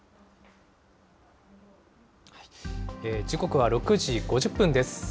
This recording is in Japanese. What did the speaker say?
時刻は６時５０分です。